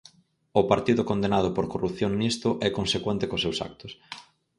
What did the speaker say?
O partido condenado por corrupción nisto é consecuente cos seus actos.